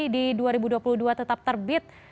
di dua ribu dua puluh dua tetap terbit